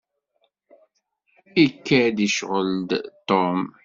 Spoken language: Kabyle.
Ikad-d icɣel-d Tom.